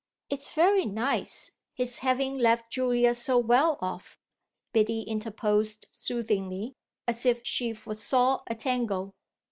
"It's very nice his having left Julia so well off," Biddy interposed soothingly, as if she foresaw a tangle.